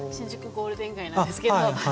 ゴールデン街なんですけど。